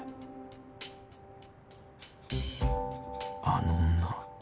［あの女